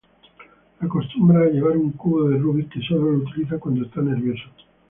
Acostumbra llevar un cubo de rubik que solo lo utiliza cuando esta nervioso.